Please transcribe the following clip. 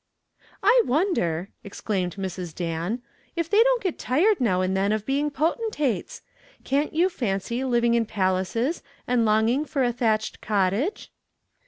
"I wonder," exclaimed Mrs. Dan, "if they don't get tired now and then of being potentates. Can't you fancy living in palaces and longing for a thatched cottage?"